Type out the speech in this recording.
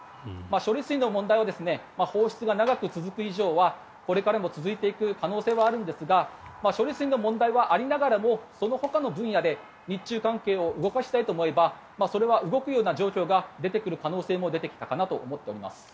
処理水の問題を放出が長く続く以上はこれからも続いていく可能性はあるんですが処理水の問題はありながらもその中の分野で日中関係を動かしたいと思えばそれは動くような状況が出てくる可能性も出てきたかなと思っております。